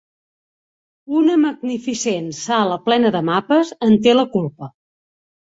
Una magnificent sala plena de mapes en té la culpa.